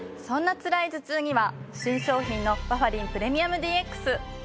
そんなつらい頭痛には新商品のバファリンプレミアムＤＸ！